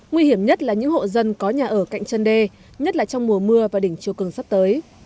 nguy hiểm nhất là những hộ dân có nhà ở cạnh chân đê nhất là trong mùa mưa và đỉnh chiều cường sắp tới